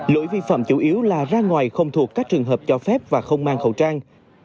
lỗi vi phạm chủ yếu là ra ngoài không thuộc các trường hợp cho phép và không mang khẩu trang